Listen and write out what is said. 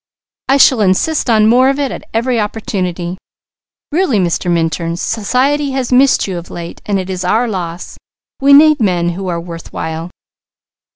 I shall insist on more of it, at every opportunity! Really, Mr. Minturn, society has missed you of late, and it is our loss. We need men who are worth while."